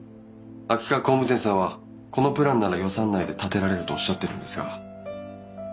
秋川工務店さんはこのプランなら予算内で建てられるとおっしゃってるんですが。